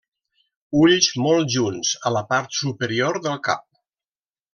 Ulls molt junts a la part superior del cap.